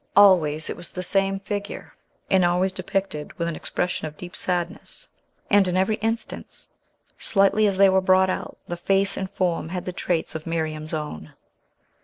Always it was the same figure, and always depicted with an expression of deep sadness; and in every instance, slightly as they were brought out, the face and form had the traits of Miriam's own.